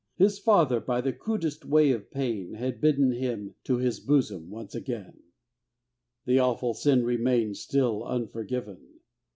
His father, by the crudest way of pain, Had bidden him to his bosom once again; The awful sin remained still unforgiven.